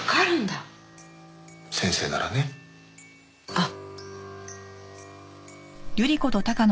あっ。